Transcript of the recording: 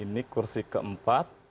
ini kursi keempat